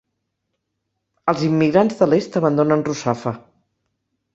Els immigrants de l'est abandonen Russafa.